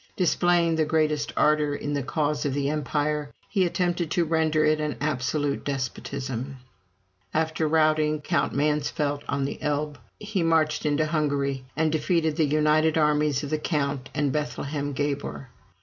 Displaying the greatest ardor in the cause of the Empire, he attempted to render it an absolute despotism. After routing Count Mansfeldt on the Elbe, he marched into Hungary, and defeated the united armies of the count and Bethlem Gabor.